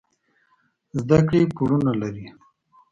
زده کړې پورونه لري.